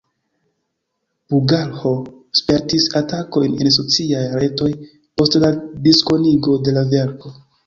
Bugalho spertis atakojn en sociaj retoj post la diskonigo de la verko.